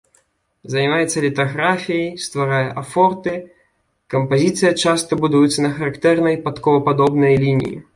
Займаецца літаграфіяй, стварае афорты, кампазіцыя часта будуецца на характэрнай падковападобнай лініі.